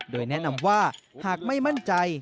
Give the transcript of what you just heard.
โดยแนะนำว่าหากไม่มั่นใจ